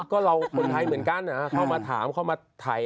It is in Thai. ก็เราคนไทยเหมือนกันเข้ามาถามเข้ามาถ่าย